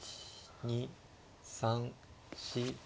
２３４５。